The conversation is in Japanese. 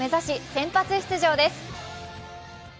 先発出場です。